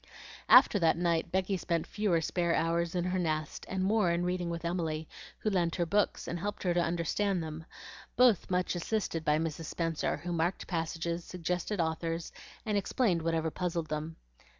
After that night Becky spent fewer spare hours in her nest, and more in reading with Emily, who lent her books and helped her to understand them, both much assisted by Mrs. Spenser, who marked passages, suggested authors, and explained whatever puzzled them.